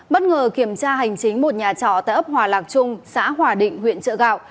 bất ngờ kiểm tra hành chính một nhà trọ tại ấp hòa lạc trung xã hòa định huyện trợ gạo